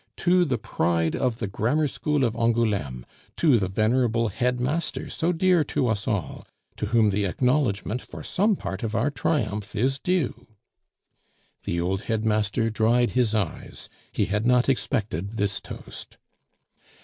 "To the pride of the grammar school of Angouleme! to the venerable headmaster so dear to us all, to whom the acknowledgment for some part of our triumph is due!" The old headmaster dried his eyes; he had not expected this toast.